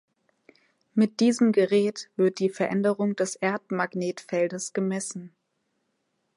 Mit diesem Gerät wird die Veränderung des Erdmagnetfeldes gemessen.